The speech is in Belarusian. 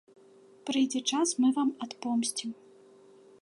Прыйдзе час, мы вам адпомсцім.